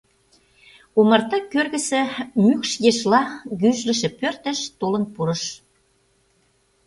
Омарта кӧргысӧ мӱкш ешла гӱжлышӧ пӧртыш толын пурыш.